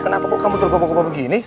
kenapa kok kamu tergobok gobok begini